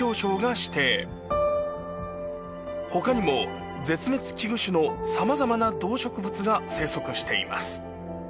召砲絶滅危惧種の様々な動植物が生息しています。